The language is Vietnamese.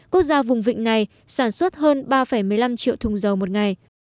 quốc gia vùng vịnh này sản xuất hơn ba một mươi năm triệu thùng dầu một ngày